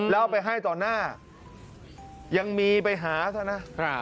แล้วเอาไปให้ต่อหน้ายังมีไปหาซะนะ